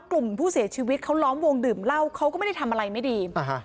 กลุ่มผู้เสียชีวิตเขาล้อมวงดื่มเหล้าเขาก็ไม่ได้ทำอะไรไม่ดี